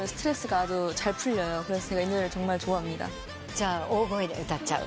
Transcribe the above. じゃあ大声で歌っちゃう？